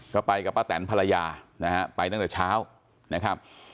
ก็ไปกับป้าแตนภรรยานะฮะไปตั้งแต่เช้านะครับ